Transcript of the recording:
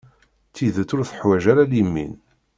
Tidet ur teḥwaǧ ara limin.